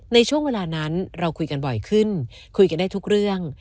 ในช่วงเวลานั้นเราคุยกันบ่อยขึ้นคุยกันได้ทุกเรื่อง